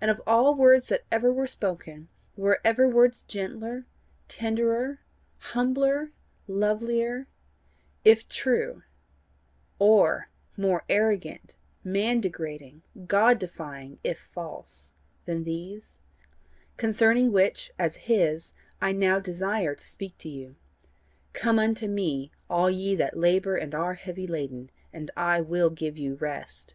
And of all words that ever were spoken, were ever words gentler, tenderer, humbler, lovelier if true, or more arrogant, man degrading, God defying if false, than these, concerning which, as his, I now desire to speak to you: 'Come unto me, all ye that labour and are heavy laden, and I will give you rest.